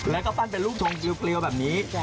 แล้วก็ปั้นเป็นรูปทงเกลียวแบบนี้